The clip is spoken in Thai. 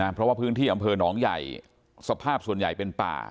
เพราะว่าพื้นที่อำเภอหนองใหญ่สภาพส่วนใหญ่เป็นป่า